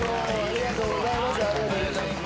ありがとうございます。